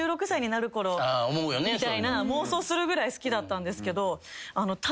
みたいな妄想するぐらい好きだったんですけど。